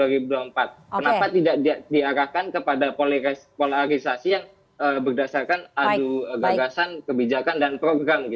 kenapa tidak diarahkan kepada polarisasi yang berdasarkan adu gagasan kebijakan dan program